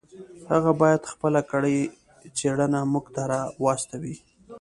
هغه باید خپله کړې څېړنه موږ ته راواستوي.